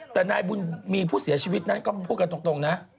แต่นายบุญมีผู้เสียชีวิตนั้นก็พูดกันตรงนะ